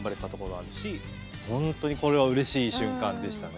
本当にこれはうれしい瞬間でしたね。